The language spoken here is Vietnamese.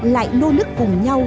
lại nô nức cùng nhau